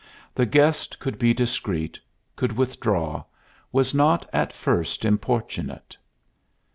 The guest could be discreet, could withdraw, was not at first importunate.